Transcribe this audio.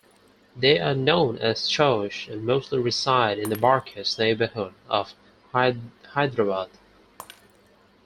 They are known as Chaush and mostly reside in the Barkas neighbourhood of Hyderabad.